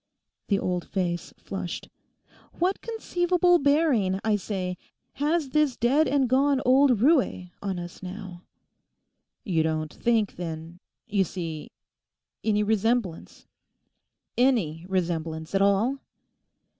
The old face flushed. 'What conceivable bearing, I say, has this dead and gone old roué on us now?' 'You don't think, then, you see any resemblance—any resemblance at all?